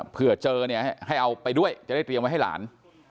เพื่อเจอเนี่ยให้เอาไปด้วยจะได้เตรียมไว้ให้หลาน